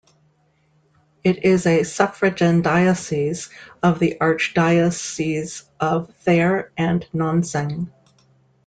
It is a suffragan diocese of the archdiocese of Thare and Nonseng.